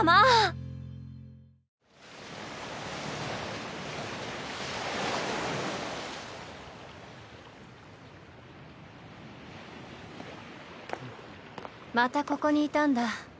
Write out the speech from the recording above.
・コツコツ・またここにいたんだ。